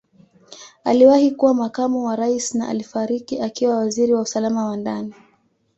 Aliwahi kuwa Makamu wa Rais na alifariki akiwa Waziri wa Usalama wa Ndani.